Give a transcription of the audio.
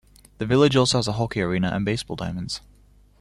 The village also has a hockey arena and baseball diamonds.